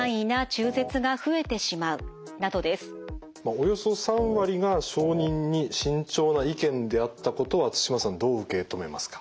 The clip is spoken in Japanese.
およそ３割が承認に慎重な意見であったことは対馬さんどう受け止めますか？